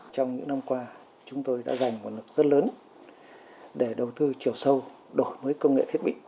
trong những năm qua chúng tôi đã dành nguồn lực rất lớn để đầu tư chiều sâu đổi mới công nghệ thiết bị